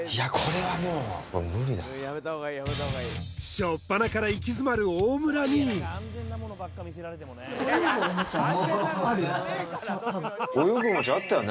初っぱなから行き詰まる大村に泳ぐおもちゃあったよね